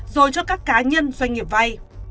rồi cho các cá nhân doanh nghiệp vay